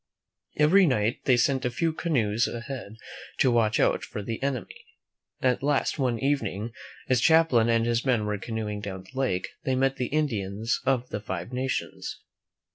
Every night they sent a few canoes ahead to watch out for the enemy. At last, one evening, as Champlain and his men were canoeing down the lake, they met the Indians of the Five Nations.